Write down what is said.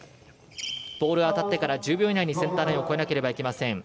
ボールが当たってから１０秒以内にセンターラインを越えなければいけません。